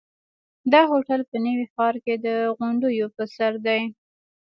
دا هوټل په نوي ښار کې د غونډیو پر سر دی.